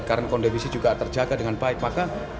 karen kondimisi juga terjaga dengan baik maka